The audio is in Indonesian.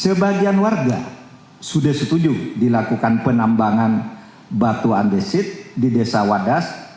sebagian warga sudah setuju dilakukan penambangan batu andesit di desa wadas